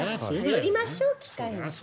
頼りましょう機械に。